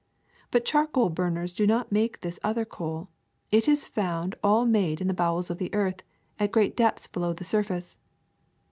But charcoal burners do not make this other coal ; it is found all made in the bowels of the earth, at great depths below the surface.